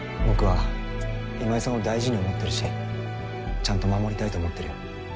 僕は今井さんを大事に思ってるしちゃんと守りたいと思ってるよ。